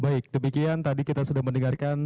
baik demikian tadi kita sudah mendengarkan